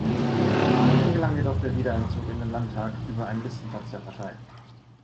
Ihm gelang jedoch der Wiedereinzug in den Landtag über einen Listenplatz der Partei.